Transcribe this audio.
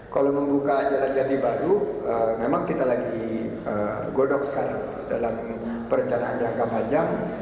kalau membuka jalan jati baru memang kita lagi godong sekarang dalam perencanaan jangkaan